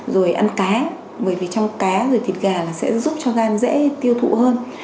rồi ăn cá bởi vì trong cá rồi thịt gà là sẽ giúp cho gan dễ tiêu thụ hơn